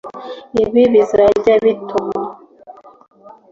ibi bizajya bituma